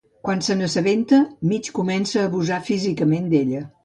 Quan se n'assabenta, Mitch comença a abusar físicament d'ella.